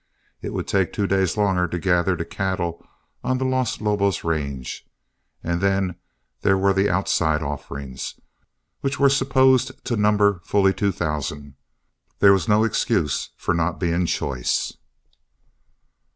It would take two days longer to gather the cattle on the Los Lobos range, and then there were the outside offerings, which were supposed to number fully two thousand. There was no excuse for not being choice.